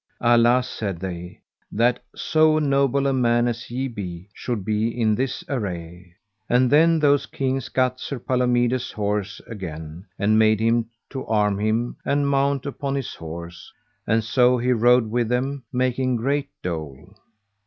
Alas, said they, that so noble a man as ye be should be in this array. And then those kings gat Sir Palomides' horse again, and made him to arm him and mount upon his horse, and so he rode with them, making great dole.